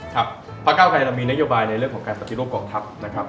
พระเก้าไกรเรามีนโยบายในเรื่องของการปฏิรูปกองทัพนะครับ